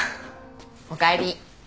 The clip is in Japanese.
おかえり。